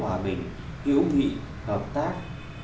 hòa bình yếu thị hợp tác